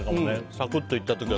サクッといった時は。